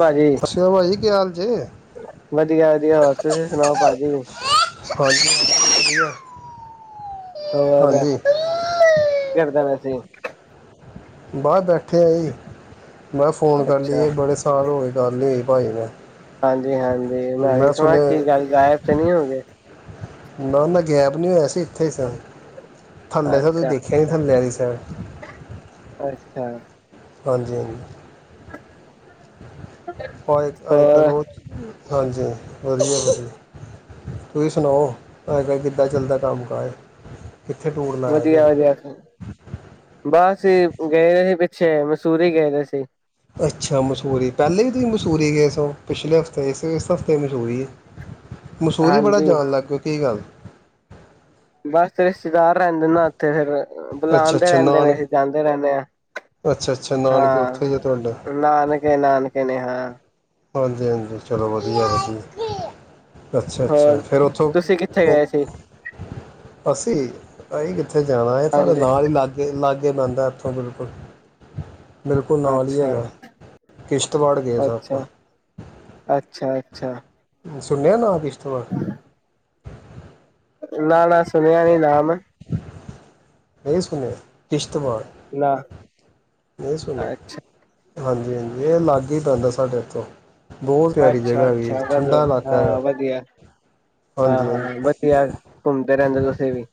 ਭਾਜੀ ਸਸ ਸ੍ਰੀ ਕਾਲ ਭਾਜੀ, ਕੀ ਹਾਲ ਜੇ [unintelligible] ਵਧੀਆ ਵਧੀਆ ਹੋਰ ਤੁਸੀਂ ਸੁਣਾਓ ਭਾਜੀ ਵਧੀਆ ਹੋਰ ਹਾਂਜੀ ਕੀ ਕਰਦੇ ਪਏ ਸੀਂ? ਬਾਰ ਬੈਠੇ ਆ ਜੀ ਮੈਂ [inaudible] ਫੋਨ ਕਰ ਅੱਛਾ ਲਈਏ ਬੜੇ ਸਾਲ ਹੋਗੇ ਗੱਲ ਨੀ ਹੋਈ ਭਾਜੀ ਨਾਲ ਹਾਂਜੀ ਹਾਂਜੀ ਮੈਂ ਵੀ ਕਵਾ ਕੀ ਗੱਲ ਗਾਇਬ ਤੇ ਨਹੀਂ ਹੋ ਗਏ ਨਾ ਨਾ ਗੈਪ ਨੀ ਹੋਇਆ ਸੀ ਇੱਥੇ ਇ ਸਾ, ਥੱਲੇ ਸਾ, ਤੁਸੀਂ ਅੱਛਾ ਦੇਖਿਆ ਇ ਨੀ ਥੱਲੇ ਆਲੀ [unintelligible] ਅੱਛਾ ਹਾਂਜੀ ਹਾਂਜੀ ਹ ਆ ਕ ਹੋਰ ਉਹ [inaudible] ਹਾਂਜੀ, ਵਧੀਆ ਵਧੀ ਤੁਸੀਂ ਸੁਣਾਓ, ਅਜ -ਕੱਲ੍ਹ ਕਿੱਦਾਂ ਚੱਲਦਾ ਕੰਮ ਕਾਜ? ਕਿੱਥੇ ਟੂਰ ਲਾਇਆ ਵਧੀਆ ਜੇ ਵਧੀਆ ਬਸ। ਅਸੀਂ ਗਏ ਸੀ ਪਿੱਛੇ, ਮਸੂਰ ਹੀ ਗਏ ਰ ਸੀ। ਅੱਛਾ ਮਸ਼ਹੂਰੀ, ਪਹਿਲੇ ਹੀ ਤੁਸੀਂ ਸੂਰੀ ਗਸ ਪਿਛਲੇ ਹਫ਼ਤੇ ਇਸ ਇਸ ਹਫ਼ਤੇ ਮਸੂਰੀ ਹੈ। ਮਸੂਰੀ ਹੀ ਬੜਾ ਹਾਂਜੀ ਜਾਣ ਲੱਗੇ, ਕੀ ਗੱਲ? ਬਸ ਰਿਸ਼ਤੇਦਾਰ ਰਹਿੰਦੇ ਨਾ ਉੱਥੇ ਫਿਰ ਅੱਛਾ ਬੁਲਾਉਂਦੇ ਅੱਛਾ ਰਹਿੰਦੇ ਨੇ, ਨਾਨਕ ਅਸੀਂ ਜਾਂਦੇ ਰਹਿੰਦੇ ਹਾਂ। ਅੱਛਾ ਅੱਛਾ ਨਾਨਕੇ ਉੱਥੇ ਹੀ ਆ ਤੁਹਾਡਾ ਹਾਂ, ਨਾਨਕੇ -ਨਾਨਕੇ ਨੇ। ਹਾਂ। ਹਾਂਜੀ -ਹਾਂਜੀ, ਚਲੋ ਵਧੀਆ ਵਧੀਆ। ਅੱਛਾ ਅੱਛਾ ਹੋਰ ਫਿਰ ਉੱਥੋਂ ਤੁਸੀਂ ਕਿੱਥੇ ਗਏ ਸੀ? ਅਸੀ ਗ ਉੱਥੇ ਜਾਣਾ ਹੈ ਸਾਡੇ ਹਾਂਜੀ ਨਾਲ ਹੀ ਲਾੱਗੇ ਅੱਗੇ ਬਣਦਾ ਹੱਥੋਂ ਬਿਲਕੁਲ ਬਿਲਕੁਲ ਨਾਲ ਹੀ ਅੱਛਾ ਹੈਗਾ। ਕਿਸ਼ਤਵਾੜ ਗਏ ਸਾਂ, ਆਪਾਂ। ਅੱਛਾ ਅੱਛਾ ਅੱਛਾ। ਮ ਸੁਣਿਆ ਨਾ ਦੀ [unintelligible] ਨਾ-ਨਾ ਸੁਣਿਆ ਨੀ ਨਾਮ? ਇਹੀ ਸੁਨਿਆ ਕਿਸ਼ ਨਾ ਅੱਛਾ ਹਾਂਜੀ-ਹਾਂਜੀ ਇਹ ਲਾੱਗੇ ਹੀ ਪੈਂਦਾ ਐ, ਸਾਡੇ ਇੱਥੋਂ। ਬਹੁਤ ਪਿਆਰੀ ਜਗ੍ਹਾ ਹੈਗੀ ਅੱਛਾ-ਅੱਛਾ ਵਧੀਆ ਠੰਡਾ ਇਲਾਕਾ ਹੈਗਾ ਹਾਂ, ਵਧੀਆ ਹਾਂਜੀ ਹਾਂ-ਹਾਂ ਹਾਂਜੀ ਵਧੀਆ, ਘੁੰਮਦੇ ਰਹਿੰਦੇ ਤੁਸੀ ਵੀ।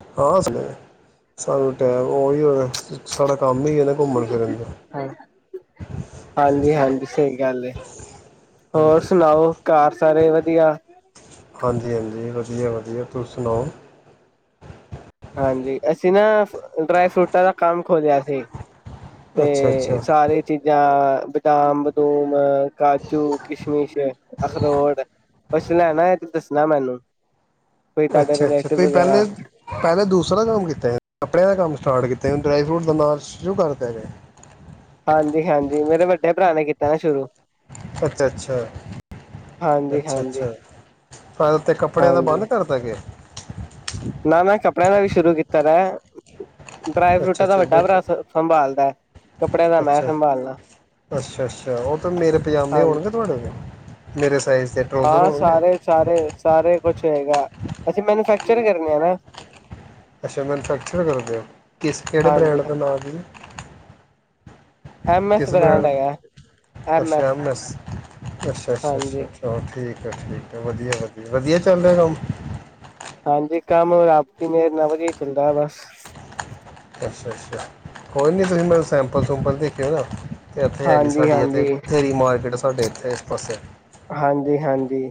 [unintelligible] ਟੈਮ ਉਹੀ ਹੋਇਆ [unintelligible] [inaudible] ਹਾਂਜੀ-ਹਾਂਜੀ ਸਹੀ ਗੱਲ ਏ ਹਾਂਜੀ ਹੋਰ ਸੁਨਾਓ, ਘਰ ਸਾਰੇ ਵਧ ਧਿਆ [inaudible] ਹਾਂਜੀ-ਹਾਂਜੀ ਵਧੀਆ-ਵਧੀਆ ਤੁਸੀ ਸੁਨਾਓ। ਹਾਂਜੀ ਅਸੀ ਨਾ ਸ ਡਰਾਈ -ਫਰੂਟਾਂ ਦਾ ਕੰਮ ਖੋਲਿਆ ਸੀ। ਤੇ ਅੱਛਾ ਅੱਛਾ ਸਾਰੀਆਂ ਚੀਜਾਂ ਬਦਾਮ ਬਦੂਮ ਮ ਕਾਜੂ, ਕਿਸ਼ਮਿਸ਼, ਅਖਰੋਟ ਕੁਛ ਲੈਣਾ ਹੋਇਆ ਤੇ ਦੱਸਨਾ ਮੈਨੂੰ। ਕੋਈ ਤੁਹਾਡੇ ਅੱਛਾ-ਅੱਛਾ ਰਿਲੇਟਿਵ ਤੁਸੀ ਵਗੈਰਾ ਪਹਿਲੇ ਈ ਪਹਿਲੇ ਦੂਸ ਰਾ ਕੰਮ ਕੀਤਾ ਕੱਪੜਿਆਂ ਦਾ ਕੰਮ ਸਟਾਰਟ ਕੀਤਾ ਈ ਡਰਾਈ ਫਰੂਟ ਦੇ ਨਾਲ ਸ਼ੁਰੂ ਕਰਦਾ ਰਿਹਾ ਹਾਂਜੀ-ਹਾਂਜੀ ਮੇਰੇ ਵੱਡੇ ਭਰਾ ਨੇ ਕੀਤਾ ਆ ਸ਼ੁਰੂ। ਅੱਛਾ ਅੱਛਾ ਅੱਛਾ ਹਾਂਜੀ-ਹਾਂਜੀ ਅੱਛਾ। ਤੇ ਕੱਪੜਿਆਂ ਦਾ ਹਾਂਜੀ ਬੰਦ ਕਰ ਤਾ ਕਿ। ਨਾ, ਨਾ ਪਹਿਲਾ ਵੀ ਸ਼ੁਰੂ ਕਿੱਤਾ ਰ ਅੱਛਾ-ਅੱਛਾ ਬਿਲਕੁਲ ਹੈ। ਕੱਪੜਿਆਂ ਦਾ ਮੈਂ ਸੰਭਾਲਣਾ ਅੱਛਾ-ਅੱਛਾ-ਅੱਛਾ ਉਹ ਤਾਂ ਮੇਲ ਪਜਾਮੇ ਹਾਂਜੀ ਹੋਣਗੇ ਤੁਹਾਡੇ ਕੋਲ। ਮੇਰੇ ਸ ਹਾਂ। ਸਾਰੇ ਸਾਰੇ ਸਾਰੇ ਕੁਛ ਚੰਗਾ ਹੋਇਗਾ, ਅਸੀ ਮੈਨੂਫੈਕਚਰ ਹੇਗੇ 'ਮਹਾਰਾਜ' ਅੱਛਾ ਮੈਨੂਫੈਕਚਰ ਕਰਦੇ ਹੋ ਕਿਸ ਕਿਹੜੇ ਹਾਂਜੀ ਬ੍ਰੈਂਡ ਦੇ ਨਾਂ ਦੀ? ਐਮ ਐੱਸ ਕਿਸ ਬ੍ਰੈਂਡ ਬ੍ਰਾਂਡ ਦਾ ਹੈਗਾ ਐਮ ਅੱਛਾ ਐੱਸ। ਐਸ ਅੱਛਾ ਅੱਛਾ ਅੱਛਾ ਠੀਕ। ਅੱਛਾ ਠੀਕ ਵਧੀਆ-ਵਧੀਆ-ਵਧੀਆ ਚੱਲ ਰਿਹਾ ਭਾਜੀ ਹਾਂਜੀ ਕੰਮ ਰਾਤੀ ਦੇ ਮਗਰ ਹੀ ਚੱਲਦਾ ਹੈ ਬਸ। ਅੱਛਾ-ਅੱਛਾ ਹੋਰ ਨੀ ਕੋਈ ਬਣਾਈ ਸ਼ਰਟਾਂ ਸੂਰਟਾ ਦਿਖੇਉ ਜ਼ਰਾ ਤੇ ਇੱਥੇ ਹੈਗੀ ਹਾਂਜੀ ਸਾਡੀ ਇਥੇ ਹਾਂਜੀ ਇੱਥੇ ਮੇਨ ਮਾਰਕੀਟ ਸਾਹਾਡੇ ਇੱਥੇ ਇਸ ਪਾਸੇ ਹਾਂਜੀ ਹਾਂਜੀ।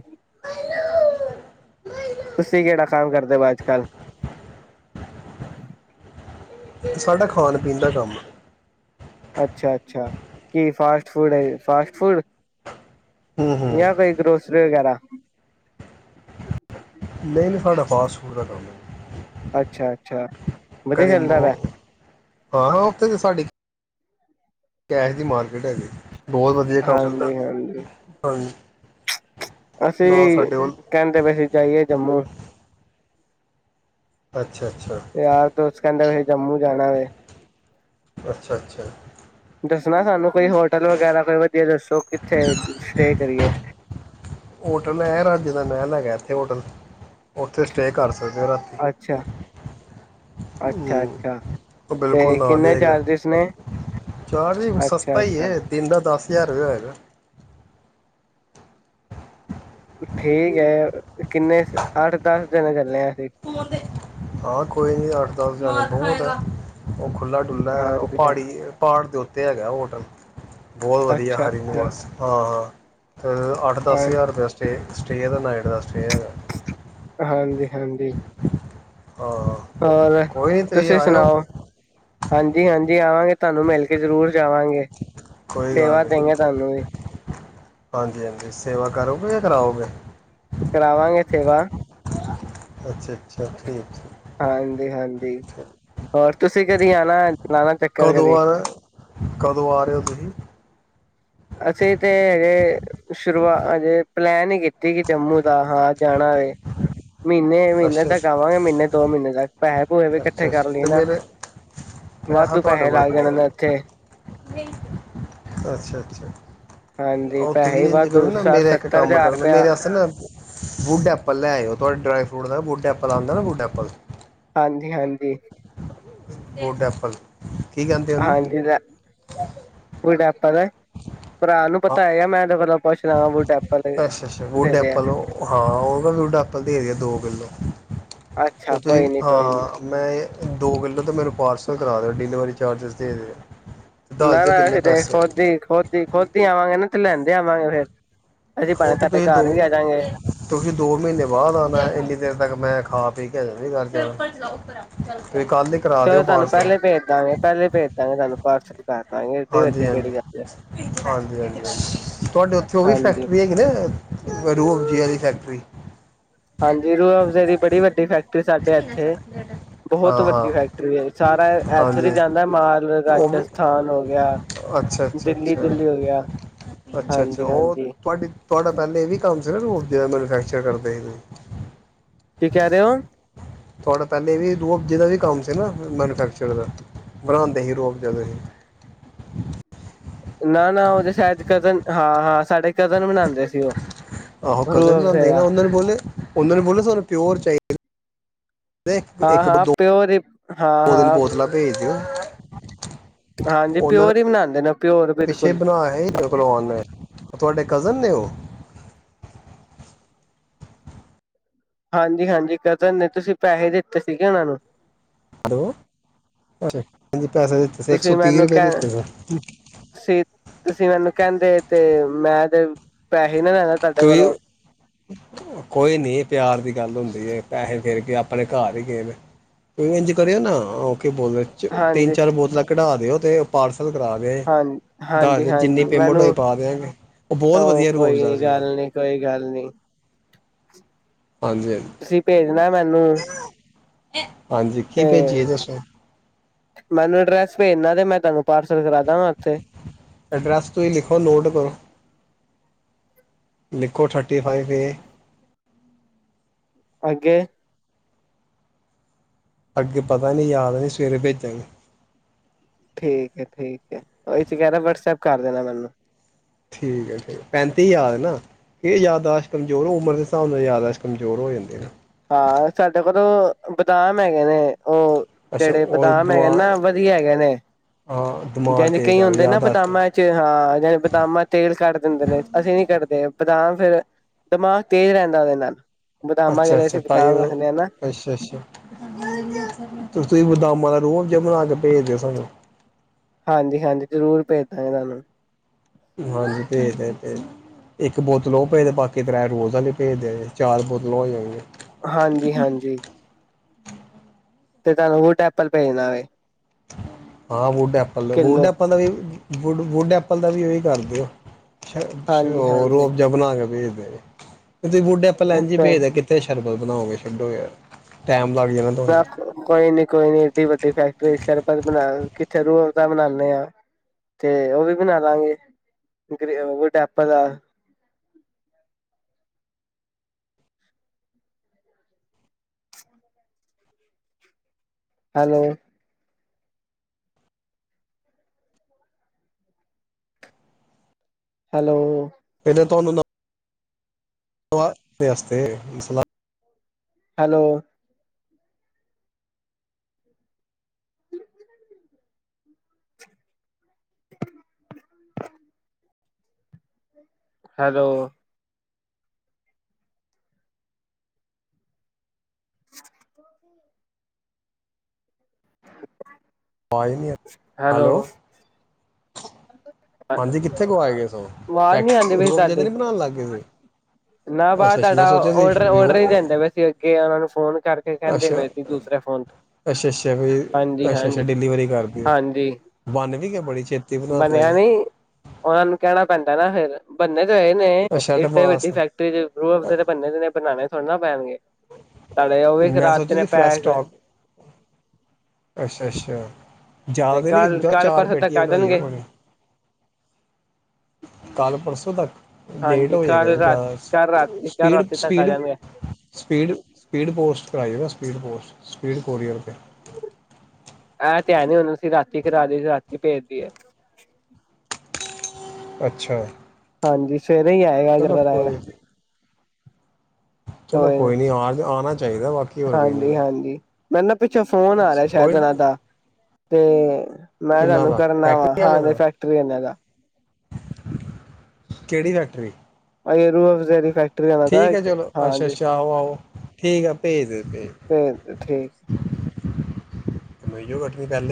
ਤੁਸੀਂ ਕਿਹੜਾ ਕੰਮ ਕਰਦੇ ਅੱਜ ਕੱਲ ਸਾਡਾ ਖਾਣ ਪੀਣ ਦਾ ਕੰਮ ਏ ਅੱਛਾ ਅੱਛਾ ਕੀ ਫਾਸਟ ਫੂਡ ਹੈ ਫਾਸਟ ਫੂਡ ਹੂੰ ਹੂੰ ਜਾਂ ਕੋਈ ਗਰੋਸਰੀ ਵਗੈਰਾ ਨਹੀਂ ਨਹੀਂ ਸਾਡਾ ਫਾਸਟ ਫੂਡ ਦਾ ਕੰਮ ਹੈ। ਅੱਛਾ ਅੱਛਾ ਵਧੀਆ ਕਦੀ ਚੱਲਦਾ ਮੋ ਵਾ ਹਾਂ ਉਥੇ ਏ ਸਾਡੀ ਕੈਸ਼ ਦੀ ਮਾਰਕੀਟ ਹੈ ਗੀ ਬਹੁਤ ਵਧੀਆ ਕੰਮ ਮਿਲਦਾ ਹਾਂਜੀ-ਹਾਂਜੀ, ਹਾਂਜੀ। ਅਸੀਂ ਨਾਲ ਸਾਡੇ ਕੋਲ ਕਹਿੰਦੇ ਵੀ ਅਸੀਂ ਜਾਈਏ ਜੰਮੂ ਅੱਛਾ ਅੱਛਾ ਯਾਰ ਦੋਸਤ ਕਹਿੰਦਾ ਸੀ ਜੰਮੂ ਜਾਣਾ ਏ ਅੱਛਾ ਅੱਛਾ। ਦੱਸਣਾ ਸਾਨੂੰ, ਕੋਈ ਹੋਟਲ ਵਗੈਰਾ ਕੋਈ ਵਧੀਆ ਦੱਸੋ ਕਿੱਥੇ ਸਟੇ ਕਰੀਏ? ਹੋਟਲ ਹੈ ਰਾਜੇ ਦਾ ਨਹਿਲ ਹੈਗਾ ਇੱਥੇ ਹੋਟਲ। ਉੱਥੇ ਸਟੇਅ ਕਰ ਸਕਦੇ ਹੋ ਰਾਤੀ, ਅੱਛਾ, ਅੱਛਾ-ਅੱਛਾ ਉਹ ਬਿਲਕੁਲ ਤੇ ਨਾ ਹੀ ਕਿੰਨੇ ਹੈਗਾ ਚਾਰਜਿਸ ਨੇ ਚਾਰਜ ਹੀ ਅੱਛਾ। ਸਸਤਾ ਹੀ ਅੱਛਾ ਹੈ ਦਿਨ ਦਾ ਦਸ ਤਿਆਰ ਹੋ ਹੋਗਾ ਠੀਕ ਹੈ। ਕਿੰਨੇ, ਅੱਠ -ਦਸ ਜਨ ਚੱਲੇ ਆਂ ਅਤੇ [inaudible] ਹਾਂ ਕੋਈ ਨੀ ਅੱਠ -ਦਸ ਜਾਣੇ ਹੋ ਉਹ ਖੁੱਲ੍ਹਾ -ਡੁੱਲ੍ਹਾ ਹੈ, ਉਹ ਹਾਂਜੀ ਹਾਂ। ਪਹਾੜੀ ਪਹਾੜ ਦੇ ਉੱਤੇ ਹੈਗਾ ਉਹ ਹੋਟਲ, ਬਹੁਤ ਵਧੀਆ ਹਰੀ ਅੱਛਾ-ਅੱਛਾ ਨਿਵਾਸ ਹਾਂ ਹਾਂ ਅਤੇ ਅੱਠ ਦਸ ਹਾਂ ਹਜ਼ਾਰ ਰੁਪਇਆ ਸਟੇਅ। ਸਟੇ ਨ ਦਸਟ [inaudible] ਹਾਂਜੀ ਹਾਂਜੀ। ਹਾਂ ਹੋਰ, ਕੋਈ ਨਹੀਂ ਤੁਸੀਂ ਆਇਓ ਸੁਣਾਓ। ਹਾਂਜੀ -ਹਾਂਜੀ ਆਵਾਂਗੇ, ਤੁਹਾਨੂੰ ਮਿਲ ਕੇ ਜ਼ਰੂਰ ਜਾਵਾਂਗੇ, ਕੋਈ ਗੱਲ ਸੇਵਾ ਨਹੀਂ ਦੇੰਗੇ ਤੁਹਾਨੂੰ ਵੀ। ਹਾਂਜੀ- ਹਾਂਜੀ ਸੇਵਾ ਕਰੋਗੇ, ਜਾਂ ਕਰਾਉਗੇ? ਕਰਾਵਾਂਗੇ ਸੇਵਾ। ਅੱਛਾ- ਅੱਛਾ ਠੀਕ। ਠੀਕ। ਹਾਂਜੀ- ਹਾਂਜੀ, ਹੋਰ ਤੁਸੀਂ ਕਦੀ ਜਾਣਾ? ਕਦੋਂ ਆ ਰਹੇ, ਕਦੋਂ ਆ ਰਹੇ ਹੋ ਤੁਸੀਂ? ਅਸੀਂ ਤੇ ਹਜੇ ਸ਼ੁਰੂਆਤ ਹਜੇ ਪਲੈਨ ਹੀ ਕੀਤੀ ਸੀ, ਜੰਮੂ ਦਾ ਹਾਂ ਜਾਣਾ ਵ ਮਹੀਨੇ ਮਹੀਨੇ ਅੱਛਾ ਤੱਕ ਆਵਾਂਗੇ, ਮਹੀਨੇ ਦੋ ਮਹੀਨੇ ਤੱਕ। ਪੈਹੇ ਪੂਹੇ ਵੀ ਇਕੱਠੇ ਅੱਛਾ- ਕਰ ਅੱਛਾ ਲਈਏ ਤੇ ਨਾ ਮੇਰੇ ਮ ਵਾਧੂ ਤੁਹਾਡੇ ਪੈਹੇ ਕੋਲ ਲੱਗ ਜਾਣੇ ਨੇ ਪ ਉੱਥੇ ਅੱਛਾ ਅੱਛਾ ਹਾਂਜੀ, ਉਹ ਪੈਸੇ ਤੁਸੀਂ ਹੀ ਇੰਝ ਵਦ ਕਰੋ ਦੂ ਸਾਠ -ਸੱਤਰ ਹਜ਼ਾਰ ਰੁਪਇਆ ਬੁੱਡ ਐਪਲ ਲੈ ਆਓ, ਤੁਹਾਡੇ ਡਰਾਈ -ਫਰੂਟ ਦਾ ਬੁੱਡ ਐਪਲ ਆਂ ਨਾ, ਬੁੱਡ ਐਪਲ। ਹਾਂਜੀ ਹਾਂਜੀ। Board -Apple. ਕੀ ਕਹਿੰਦੇ ਉਹਨੂੰ ਹਾਂਜੀ ਦਾ ਪ [inaudible] ਭਰਾ ਨੂੰ ਹਾਂ ਪਤਾ ਹੈਗਾ ਮੈਂ ਇਹਦੇ ਕੋਲ [inaudible] ਕੁਛਦ ਬ [inaudible] ਅੱਛਾ -ਅੱਛਾ, ਵੁਡ ਐਪਲ ਹਾਂ, ਉਹ ਵੁਡ ਐਪਲ ਦੇ ਦੇ ਆ, ਦੋ ਕਿੱਲੋ ਤੇ ਅੱਛਾ ਤੁਸੀਂ ਕੋਈ ਨੀ ਕੋਈ ਨੀ ਹਾਂ ਮੈਂ ਦੋ- ਕਿੱਲੋ ਤਾਂ ਮੇਰੇ ਕ ਪਾਰਸਲ ਕਰਾ ਲਓ ਡਿਲੀਵਰੀ ਚਾਰਜਿਸ ਦੇ ਤੇ, ਦੱਸ ਨਾ ਦਿਓ, ਨਾ ਕਿੰਨੇ ਅਸੀਂ ਤੇ ਪੈਸੇ‌। ਖੁਦ ਹੀ ਖੁਦ ਹੀ ਖੁਦ ਆਵਾਂਗੇ ਨਾ ਤੇ, ਲੈਂਦੇ ਆਵਾਂਗੇ ਫੇਰ ਅਸੀਂ ਉਹ ਭਾਵੇਂ ਤੇ ਤੁਹਾਡੇ ਤੁਸੀਂ ਦੋ ਘਰ ਵੀ ਆ ਜਾਂਗੇ ਤੁਸੀ, ਦੋ ਮਹੀਨੇ ਬਾਅਦ ਆਨਾ ਏ, ਇੰਨੀ ਦੇਰ ਤੱਕ ਮੈਂ ਖਾ-ਪੀ ਕੇਜ ਵੀ ਕਰਜ ਚਲੋ ਤੁਹਾਨੂੰ ਪਹਿਲੇ ਭੇਜਦਾਂਗੇ, ਪਹਿਲੇ ਭੇਜਦਾਂਗੇ ਤੁਹਾਨੂੰ। ਪਾਰਸ ਹਾਂਜੀ- ਹਾਂਜੀ, ਹਾਂਜੀ, ਹਾਂਜੀ, ਹਾਂ ਤੁਹਾਡੇ ਉੱਥੇ ਉਹ ਵੀ ਹਾਂਜੀ ਫੈਕਟਰੀ ਹੈਗੀ ਨਾ ਰੂਹ ਪੂਜੀ ਵਾਲੀ ਫੈਕਟਰੀ। ਹਾਂਜੀ, ਰੂਅਫਜ਼ੇ ਦੀ ਬੜੀ ਵੱਡੀ ਫੈਕਟਰੀ ਸਾਡੇ ਐਥੇ। ਹਾਂ ਬਹੁਤ ਹਾਂ ਵੱਡੀ ਫੈਕਟਰੀ ਏ। ਸਾਰਾ ਐਥੋਂ ਦੀ ਹਾਂਜੀ ਜਾਂਦਾ ਮਾਲ ਉਹ ਵੀ ਰਾਜਸਥਾਨ ਹੋ ਗਿਆ, ਅੱਛਾ ਅੱਛਾ ਅੱਛਾ ਦਿੱਲੀ-ਦੁੱਲੀ ਹੋ ਗਿਆ, ਅੱਛਾ ਅੱਛਾ ਹਾਂਜੀ- ਉਹ ਹਾਂਜੀ। ਤੁਹਾਡੀ ਤੁਹਾਡਾ ਬ ਨਹੀਂ ਕੀ ਕਹਿ ਰਹੇ ਹੋਂ? ਤੁੁਹਾਡਾ ਪਹਿਲੇ ਵੀ ਰੁਅਬਜ਼ੇ ਦਾ ਵੀ ਕੰਮ ਸੀ ਨਾ, ਮੈਨੂਫੈਕਚਰ ਦਾ, ਬਣਾਂਦੇ ਸੀ ਰੋਅਬਜ਼ਾ ਦੇ ਸੀ। ਨਾ -ਨਾ ਉਹਦੇ ਸ਼ਾਇਦ ਕਜਨ ਹਾਂ -ਹਾਂ ਸਾਡੇ ਕਜ਼ਨ ਬਨਾਉਂਦੇ ਸੀ ਉਹ। ਆਹੋ ਕਜਨ ਰੂਹ ਅਫਜ਼ੇ ਜਾਂਂਦੇ ਸੀ ਨਾ, ਦਾ ਉਹਨਾਂ ਨੂੰ ਬੋਲੇ ਉਹਨਾਂ ਨੇ, ਬੋਲੋ ਤੁਾਨੂੰ ਪਿਓਰ ਚਾਹੀਦਾ। ਇੱਕ- ਹਾਂ, ਇੱਕ ਦੋ ਹਾਂ ਪਿਓਰ ਹਾਂ, ਦੋ ਦਿਨ ਹਾਂ ਬੋਤਲਾਂ ਭੇਜ ਦਿਓ ਹਾਂਜੀ ਉਹਨਾਂ ਪਿਓਰ ਹੀ ਬਣਾਉਂਦੇ ਪਿਓਰ ਨੇ ਪਿੱਛੇ ਬਿਲਕੁਲ ਬਣਾਇਆ ਸੀ ਮੇਰੇ ਕੋਲੋ ਓਨੇ, ਤੁਹਾਡੇ ਕਜ਼ਨ ਨੇ ਉਹ? ਹਾਂਜੀ-ਹਾਂਜੀ ਕਜਨ ਨੇ ਤੁਸੀਂ ਪੈਹੇ ਦਿੱਤੇ ਸੀਗੇ ਉਹਨਾਂ ਨੂੰ। ਹਲੋ [inaudible] ਪੈਸੇ ਦਿੱਤੇ ਸੀ ਇੱਕ ਸੌ ਤੁਸੀਂ ਤੀਹ, ਮੈਨੂੰ ਰਪੇ ਕਹਿ ਦਿੱਤੇ ਤੁਸੀਂ ਤੁਸੀਂ ਮੈਨੂੰ ਕਹਿੰਦੇ [unintelligible] ਤੇ, ਮੈ ਤੇ, ਪੈਹ [unintelligible] ਕੋਈ ਨੀ ਪਿਆਰ ਵੀ ਗੱਲ ਹੁੰਦੀ ਏ, ਪੈਹੇ ਫੇਰ ਕੇ ਆਪਣੇ ਘਰ ਹੀ ਗਏ ਵੇ ਇੰਝ ਕਰਿਓ ਨਾ [unintelligible] ਤਿੰਨ- ਹਾਂਜੀ ਚਾਰ ਬੋਤਲਾਂ ਕਢਾ ਦਿਓ। [unintelligible] ਤੇ ਪਾਰਸ ਕੱਲ ਕਰਾਗੇ ਹਾਂ ਦੱਸ ਹਾਂਜੀ ਦੇ ਜਿੰਨੀ ਹਾਂਜੀ ਪੇਮੈਂਟ ਮੈਨੂੰ ਹੋਈ ਪਾਗੇ ਨੇ, ਬਹੁਤ ਉਹ ਵਧੀਆ ਕੋਈ ਰੁਅਵਜਾ ਨੀ ਸੀ। ਉਹ ਗੱਲ ਨੀ ਕੋਈ ਗੱਲ ਨੀ। ਹਾਂਜੀ-ਹਾਂਜ ਨਾ ਮੈਨੂੰ [inaudible] ਤੇ ਕੀ ਭੇਜੀਏ ਦੱਸੋ ਮੇਨੂੰ ਡਰੈਸ ਭੇਜਣਾ ਤੇ, ਮੈਂ ਤਾਨੂੰ ਪਾਰਸਲ ਕਰਾ ਦਾਂਗਾ ਓਥੇ। ਅਡਰੈੱਸ ਤੁਸੀਂ ਲਿਖੋ, ਨੋਟ ਕਰੋ। ਲਿੱਖੋ ਥਰਟੀ -ਫਾਈਫ ਏ ਅੱਗੇ ਅੱਗੇ ਪਤਾ ਨੀ, ਯਾਦ ਨੀ ਸਵੇਰੇ ਭੇਜਾਂਗੇ। ਠੀਕ ਐ ਠੀਕ ਐ ਇਹ ਚ [unintelligible] ਵਟਸਐਪ ਕਰ ਦੇਨਾ ਮੈਨੂੰ ਠੀਕ ਐ, ਪੈਂਤੀ ਹਜਾਰ ਨਾ, ਇਹ ਯਾਦਾਸ਼ ਕਮਜ਼ੋਰ, ਉਮਰ ਹਿਸਾਬ ਨਾਲ ਯਾਦਾਸ਼ ਕਮਜ਼ੋਰ ਹੋ ਜਾਂਦੇ। ਆ ਸਾਡੇ ਕੋਤੋ ਬਦਾਮ ਐਗੇ ਨੇ। ਉਹ ਅੱਛਾ ਜਿਹੜੇ ਉਹ ਬਦਾਮ ਹੈਗੇ ਦਿਮਾਗ ਨਾ, ਵਧੀਆ ਹੈਗੇ ਨੇ। ਹਾਂ ਦਿਮਾਗ [unintelligible] ਤੇਜ਼ ਕਈ ਕਰ ਹੁੰਦੇ ਨਾ ਯਾਦਾਸ਼ਤ ਬਦਾਮਾਂ ਚ ਹਾ ਬਦਾਮਾ ਤੇਲ ਕਟ ਦਿੰਦੇ ਨੇ ਅਸੀਂ ਨੀ ਕੱਢਦੇ ਬਦਾਮ, ਫਿਰ ਦਮਾਗ ਤੇਜ਼ ਰਹਿੰਦਾ ਉਹਦੇ ਨਾਲ। ਬਦਾਮਾਂ ਅੱਛਾ ਜਿਹੜੇ -ਅੱਛਾ, ਅਸੀਂ ਬਦਾਮ ਤਾਹੀਓ ਰੱਖਦੇ ਹਾਂ ਨਾ ਅੱਛ ਅੱਛਾ ਤੁਸੀਂ ਬਦਾਮ ਰੂਅਬਜਾ ਬਣਾ ਕੇ ਭੇਜਦੇਓ ਸਾਨੂੰ। ਹਾਂਜੀ -ਹਾਂਜੀ, ਜ਼ਰੂਰ ਭੇਜਦਾਗੇ ਤਾਨੂੰ। [unintelligible] ਭੇਜਦੇ ਭੇ ਇੱਕ ਬੋਤਲ ਉਹ ਭੇਜੇ ਬਾਕੀ [unintelligible] ਭੇਜਦੇ ਚਾਰ ਬੋਤ [unintelligible] ਹਾਂਜੀ ਹਾਂਜੀ। ਤੇ ਤਾਨੂੰ ਉਹ ਟੈਪਲ ਭੇਜਣਾ ਵੇ ਹਾਂ ਬੋਨ [unintelligible] ਵੁੱਡ ਵੁੱਡ ਐਪਲ ਦਾ ਵੀ ਉਹੀ ਕਰਦੇਓ। ਹਾਂਜੀ [unintelligible] ਹਾਂਜੀ ਰੋਬਜਾ ਬਨਾ ਕੇ ਭੇ [inaudible] [unintelligible] ਸ਼ਰਬਲ ਬਣਾਓਗੇ ਛੱਡੋ ਯਾਰ ਟ [unintelligible] ਨਾ, ਕੋਈ ਨੀ ਕੋਈ ਨੀ, ਐਡੀ ਵੱਡੀ ਫੈਕਟਰੀ ਸ਼ਰਪ ਕਿੱਥੇ ਰੂਹ-ਅਬਜਾ ਬਨਾਨੇ ਆਂ, ਤੇ ਉਹ ਵੀ ਬਣਾ ਲਾਂਗੇ ਗੁਡੈਪ ਦਾ ਹੈਲੋ। ਹੈਲੋ [inaudible] ਤੁਹਾਨੂੰ [inaudible] ਤੇ ਮਸਲਾ [inaudible] ਹੈਲੋ। [unintelligible] ਹੈਲੋ। [unintelligible] ਹੈਲੋ। ਹਾਂਜੀ, ਕਿੱਥੇ ਗੁਵਾਏ ਗਏ ਸੋ, ਆਵਾਜ਼ ਨੀ ਆਉਂਦੀ ਪਈ ਰੁਹ-ਅਬਜਾ ਤੇ ਤੁਹਾਡੀ ਨੀ ਬਣਾਉਣ ਲੱਗ ਗਏ ਸੀ? ਨਾ ਬਾਹ ਅੱਛਾ ਅੱਛਾ ਤੁਹਾਡਾ, ਮੈਂ ਸੋਚਿਆ ਸੀ ਓਡਰ ਵਿਊ ਓਡਰ ਹੀ ਦਿੰਦੇ ਪਏ ਸੀ ਅੱਗੇ, ਉਹਨਾ ਨੂੰ ਫੋਨ ਕਰਕੇ ਕਹਿੰਦੇ ਅੱਛਾ ਪਏ ਸੀ, ਦੂਸਰੇ ਫੋਨ ਤੋਂ ਅੱਛਾ ਅੱਛਾ ਵੀ ਹਾਂਜੀ ਅੱਛਾ ਅੱਛਾ ਹਾਂਜੀ ਡਿਲੀਵਰੀ ਕਰਦੀ ਆ -ਹਾਂਜੀ ਬਣ ਵੀ ਗਿਆ ਬੜੀ ਛੇਤੀ ਬਣਾ ਤਾ ਬਣਿਆ ਜੇ ਨਹੀਂ। ਉਹਨਾਂ ਨੂੰ ਕਹਿਣਾ ਪੈਂਦਾ ਨਾ ਫਿਰ, ਬੰਨੇ ਏ ਨੇ ਅੱਛਾ ਇਏਡੇ ਵੱਡੀ ਐਡਵਾਂਸ ਫੈਕਟਰੀ ਤੇ ਦੇ [unintelligible] ਬੰਨੇ ਦੇ ਨੇ ਬਨਾਨੇ ਥੋੜੇ ਨਾ ਪੈਨਗੇ ਅਰੇ ਉ ਵੀ ਮੈਂ ਖਾ [unintelligible] ਸੋਚਿਆ ਨੇ ਸੀ ਫਰੈਸ਼ ਪੈਕ ਸਟਾਕ ਅੱਛਾ ਅੱਛਾ ਤੇ ਜ਼ਿਆਦਾ ਨੀ ਕੱਲ [unintelligible] ਕੱਲ ਚਾਰ ਪਰਸੋਂ ਤੱਕ ਪੇਟੀਆਂ ਆ ਬਨਾਈਆਂ ਜਾਣਗੇ ਉਨਾ ਨੇ ਕੱਲ ਪਰਸੋਂ ਤੱਕ, ਲੇਟ ਹਾਂਜੀ ਹੋ ਜਾਏਗਾ ਕੱਲ ਯਾਰ ਰਾਤ ਜ਼ਿਆਦਾ ਕੱਲ ਰਾਤੀ ਕੱਲ ਸਪੀਡ ਰਾਤੀ ਤੱਕ ਆ ਸਪੀਡ ਜਾਣਗੇ ਸਪੀਡ ਸਪੀਡ ਪੋਸਟ ਕਰਾ ਈ ਐ ਗਾ ਸਪੀਡ ਪੋਸਟ ਸਪੀਡ ਕੋਰੀਅਰ ਤੇ ਏ ਤੇ ਹੇ ਨੀ ਹਨੂੰ ਅਸੀ ਰਾਤੀ ਕਰਾ ਦੀਏ [unintelligible] ਰਾਤੀ ਭੇਜਦੀ ਐ ਅੱਛਾ ਸਵੇਰ ਈ ਆਏਗਾ ਅਗਰ ਚਲੋ ਕੋਈ [unintelligible] ਚਲੋ ਕੋਈ ਨੀ ਆਜ ਆਨਾ ਹਾਂਜੀ ਹਾਂਜੀ ਮੈਨ ਨਾ ਪਿੱਛੋਂ ਫੋਨ ਆ ਰਿਏ ਕੋਈ ਸੇ਼ਇਦ ਉਹਨਾਂ ਦਾ ਤੇ ਮੈਂ ਕਿੰਨਾ ਤੁਹਾਨੂੰ ਦਾ ਕਰਨਾ ਵਾ, ਹਾਂ, [unintelligible] ਫੈਕਟਰੀਨਾ [unintelligible] ਦਾ ਕੇਹੜੀ ਫੈਕਟਰੀ ਆਈ ਰੂਹ ਅਜੇ ਦੀ ਫ ਠੀਕ ਹੈ, ਚਲੋ, ਅੱਛਾ ਅੱਛਾ ਆਹੋ ਆਹੋ ਠੀਕ ਆ ਭੇਜ ਦੇ ਭੇਜ ਦੇ ਠੀਕ ਕਮਾਈ ਉ [unintelligible] ਪਹਿਲੇ